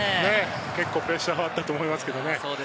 結構プレッシャーはあったと思いますけどね。